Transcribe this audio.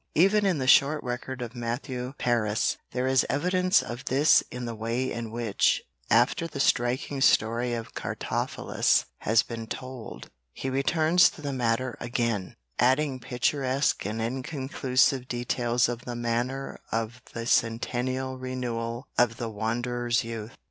Even in the short record of Matthew Paris, there is evidence of this in the way in which, after the striking story of Cartaphilus has been told, he returns to the matter again, adding picturesque and inconclusive details of the manner of the centennial renewal of the wanderer's youth.